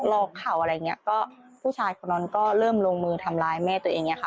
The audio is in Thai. เข่าอะไรอย่างเงี้ยก็ผู้ชายคนนั้นก็เริ่มลงมือทำร้ายแม่ตัวเองอย่างเงี้ค่ะ